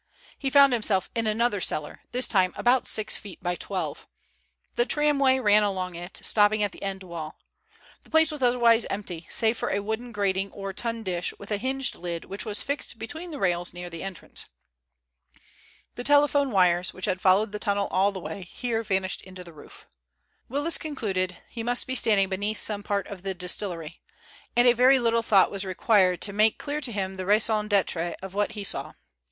He found himself in another cellar, this time about six feet by twelve. The tramway ran along it, stopping at the end wall. The place was otherwise empty, save for a wooden grating or tun dish with a hinged lid which was fixed between the rails near the entrance. The telephone wires, which had followed the tunnel all the way, here vanished into the roof. Willis concluded he must be standing beneath some part of the distillery, and a very little thought was required to make clear to him the raison d'être of what he saw.